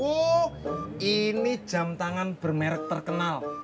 oh ini jam tangan bermerk terkenal